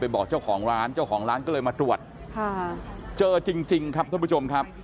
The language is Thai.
บอกเจ้าของร้านเจ้าของร้านก็เลยมาตรวจค่ะเจอจริงครับท่านผู้ชมครับ